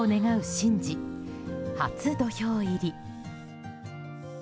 神事初土俵入り。